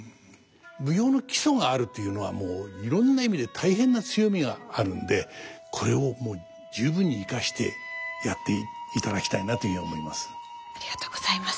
舞踊の基礎があるっていうのはもういろんな意味で大変な強みがあるんでこれをもう十分に生かしてやっていただきたいなというふうに思います。